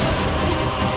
aku akan menang